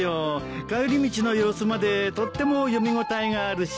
帰り道の様子までとっても読み応えがあるし。